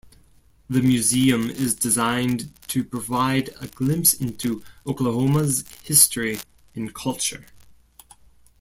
The museum is designed to provide a glimpse into Oklahoma's history and culture.